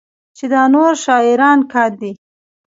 چې دا نور شاعران کاندي